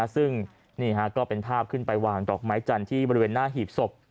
ซึ่งนี่ก็เป็นภาพขึ้นไปวางดอกไม้จันทร์ที่บริเวณหน้าหีบศพ